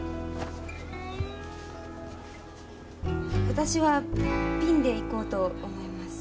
私はピンでいこうと思います。